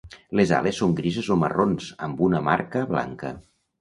Les ales són grises o marrons amb una marca blanca.